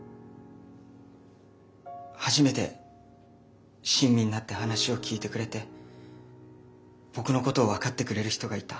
初めて親身になって話を聞いてくれて僕のことを分かってくれる人がいた。